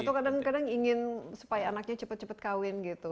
atau kadang kadang ingin supaya anaknya cepat cepat kawin gitu